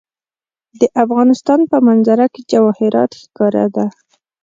د افغانستان په منظره کې جواهرات ښکاره ده.